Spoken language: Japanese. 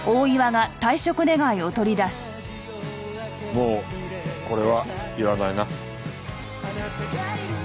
もうこれはいらないな。